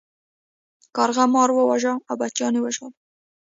کارغه مار وواژه او بچیان یې وژغورل.